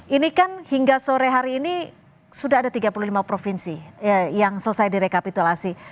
ini kan hingga sore hari ini sudah ada tiga puluh lima provinsi yang selesai direkapitulasi